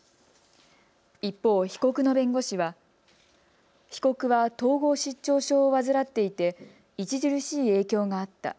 一方、被告の弁護士は被告は統合失調症を患っていて著しい影響があった。